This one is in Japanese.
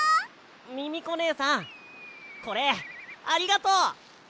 ミミコねえさんこれありがとう！